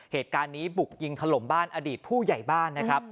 เหตุการณ์นี้บุกยิงถล่มบ้านอดีตผู้ใหญ่บ้านนะครับ